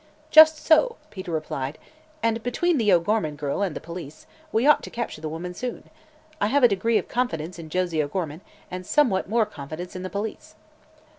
"Just so," Peter replied; "and, between the O'Gorman girl and the police, we ought to capture the woman soon. I have a degree of confidence in Josie O'Gorman and somewhat more confidence in the police."